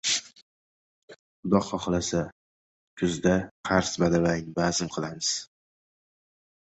Xudo xohlasa, kuzda qars-badabang bazm qilamiz.